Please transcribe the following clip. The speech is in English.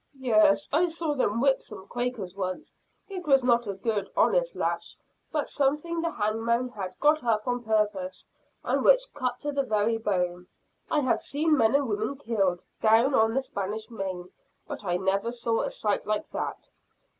"Yes, I saw them whip some Quakers once. It was not a good honest lash, but something the hangman had got up on purpose, and which cut to the very bone. I have seen men and women killed, down on the Spanish main, but I never saw a sight like that!